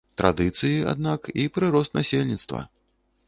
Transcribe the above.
Традыцыі, аднак, і прырост насельніцтва.